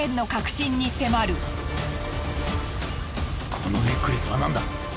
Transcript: このネックレスは何だ！？